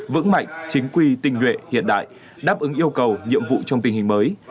vững mạnh chính quy tình nguyện hiện đại đáp ứng yêu cầu nhiệm vụ trong tình hình mới